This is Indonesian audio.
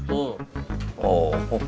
oh itu lebah